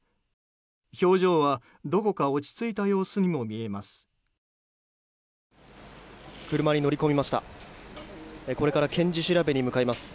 表情はどこか落ち着いた様子にも見えます。